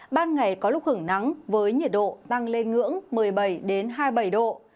ban ngày có lúc hưởng nắng với nhiệt độ tăng lên ngưỡng một mươi bảy hai mươi bảy độ